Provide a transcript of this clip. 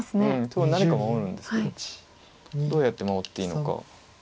そこ何か守るんですけどどうやって守っていいのか。